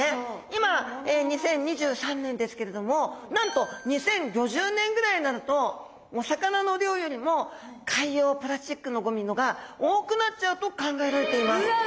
今２０２３年ですけれどもなんと２０５０年ぐらいになるとお魚の量よりも海洋プラスチックのゴミのが多くなっちゃうと考えられています。